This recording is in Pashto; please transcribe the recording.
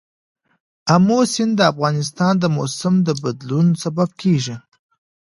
آمو سیند د افغانستان د موسم د بدلون سبب کېږي.